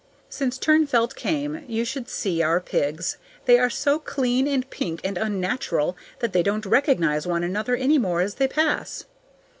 Since Turnfelt came, you should see our pigs. They are so clean and pink and unnatural that they don't recognize one another any more as they pass.